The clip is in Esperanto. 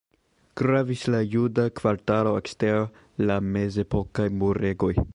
Gravis la juda kvartalo ekster la mezepokaj muregoj.